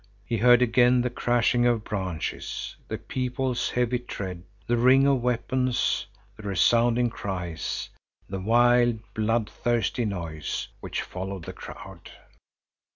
He heard again the crashing of branches, the people's heavy tread, the ring of weapons, the resounding cries, the wild, bloodthirsty noise, which followed the crowd.